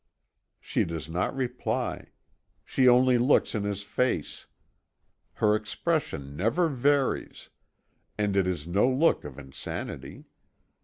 She does not reply; she only looks in his face. Her expression never varies; and it is no look of insanity.